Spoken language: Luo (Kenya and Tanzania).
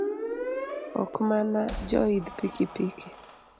Ok mana joidh pikipiki